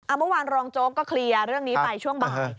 เอ้อเมื่อวานโรงโจ๊กก็เกลียร่างนี้ไปช่วงบ่าย